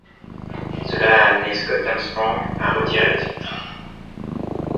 Cela a amené Scott Armstrong à retirer le titre.